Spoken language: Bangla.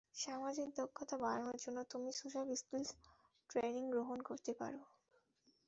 সামাজিক দক্ষতা বাড়ানোর জন্য তুমি সোশ্যাল স্কিলস ট্রেনিং গ্রহণ করতে পারো।